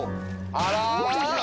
あら？